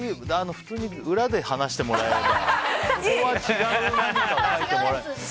普通に裏で話してもらえば。